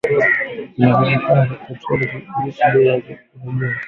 zinazotokana na petroli na kudhibiti bei za rejareja